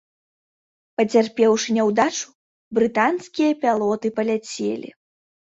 Пацярпеўшы няўдачу, брытанскія пілоты паляцелі.